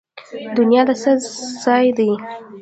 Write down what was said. دنیا د څه ځای دی؟